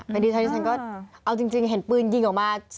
อันนี้ฉันก็เอาจริงเห็นปืนยิงออกมา